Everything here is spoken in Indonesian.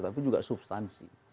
tapi juga substansi